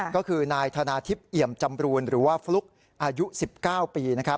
ก็คือนายธนาทิพย์เอี่ยมจำรูนหรือว่าฟลุ๊กอายุ๑๙ปี